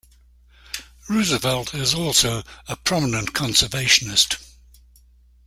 Roosevelt is also a prominent conservationist.